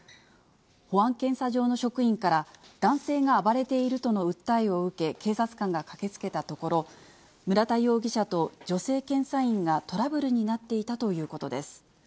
保安検査場の職員が、男性が暴れているとの訴えを受け、警察官が駆けつけたところ、村田容疑者と女性検査員がトラブルになっていたということです。